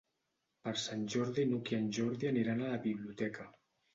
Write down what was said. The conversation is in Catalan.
Per Sant Jordi n'Hug i en Jordi aniran a la biblioteca.